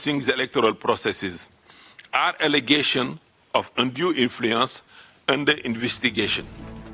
ini adalah alasan dari penggunaan yang tidak terlalu bergabung dalam penyelidikan